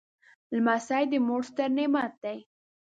لمسی د مور ستر نعمت دی.